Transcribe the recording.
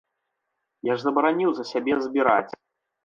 Я ж забараніў за сябе збіраць!